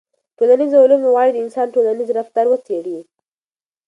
ټولنیز علوم غواړي د انسان ټولنیز رفتار وڅېړي.